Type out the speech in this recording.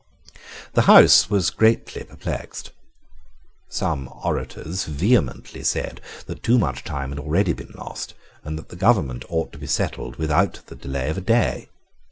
The House was greatly perplexed. Some orators vehemently said that too much time had already been lost, and that the government ought to be settled without the delay of a day.